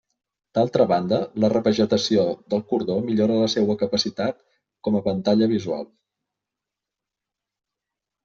D'altra banda, la revegetació del cordó millora la seua capacitat com a pantalla visual.